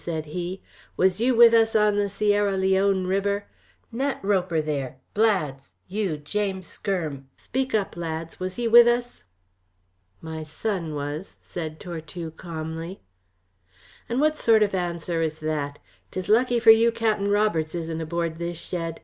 said he. "Was you with us on the Sierra Leone River? Nat Roper there, Blads, you James Skyrm, speak up, lads, was he with us?" "My son was," said Tortue calmly. "And what sort of answer is that? 'Tis lucky for you Cap'en Roberts isn't aboard this shed.